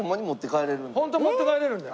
ホンマに持って帰れるんで。